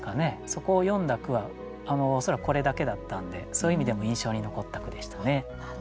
そこを詠んだ句は恐らくこれだけだったんでそういう意味でも印象に残った句でしたね。